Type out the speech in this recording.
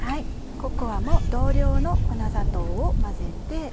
ココアも同量の粉砂糖を混ぜて。